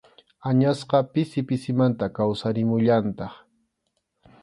Añasqa pisi pisimanta kawsarimullantaq.